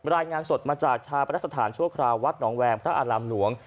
รายงานสดมาจากชาปนสถานชั่วคราววัดหนองแวงพระอารามหลวง